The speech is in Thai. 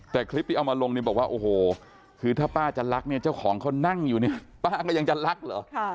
แต่คลิปที่เอามาลงเนี่ยบอกว่าโอ้โหคือถ้าป้าจะรักเนี่ยเจ้าของเขานั่งอยู่เนี่ยป้าก็ยังจะรักเหรอ